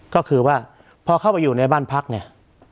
ก็คือว่าพอเข้าไปอยู่ในบ้านพักเนี่ย